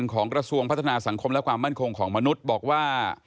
ของกระทรวงพัฒนาสังคมและความมั่นคงของมนุษย์บอกว่า